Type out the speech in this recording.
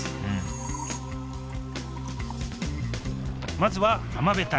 まずは浜辺隊。